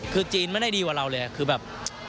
คือจีนไม่ได้ดีกว่าเราเลยคือแบบ